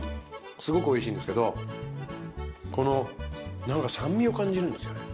すごくおいしいんですけどこの何か酸味を感じるんですよね。